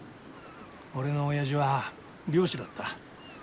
俺のおやじは漁師だった。